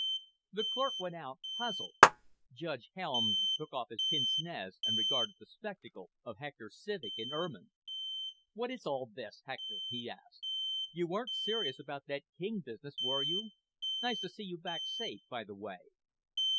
The clerk went out, puzzled. Judge Helms took off his pince nez and regarded the spectacle of Hector Civek in ermine. "What is all this, Hector?" he asked. "You weren't serious about that king business, were you? Nice to see you back safe, by the way."